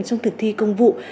trong thực thi công vụ